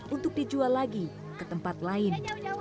untuk dijual lagi ke tempat lain